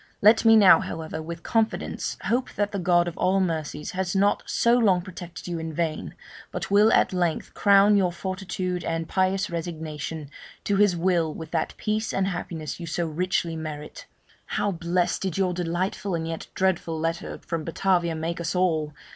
Let me now, however, with confidence hope that the God of all mercies has not so long protected you in vain, but will at length crown your fortitude and pious resignation to His will with that peace and happiness you so richly merit. How blest did your delightful and yet dreadful letter from Batavia make us all!